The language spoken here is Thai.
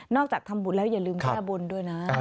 จากทำบุญแล้วอย่าลืมแก้บนด้วยนะ